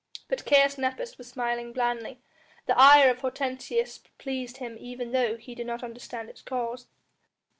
But Caius Nepos was smiling blandly: the ire of Hortensius pleased him even though he did not understand its cause.